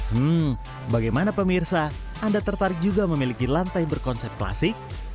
hmm bagaimana pemirsa anda tertarik juga memiliki lantai berkonsep klasik